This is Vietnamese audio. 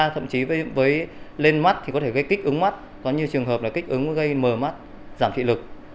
thậm chí với lên mắt thì có thể gây kích ứng mắt có nhiều trường hợp là kích ứng gây mờ mắt giảm thị lực